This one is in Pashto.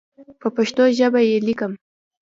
په پښتو ژبه یې لیکم.